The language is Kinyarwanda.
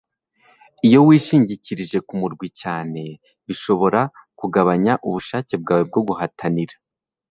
Iyo wishingikirije kumurwi cyane birashobora kugabanya ubushake bwawe bwo guhatanira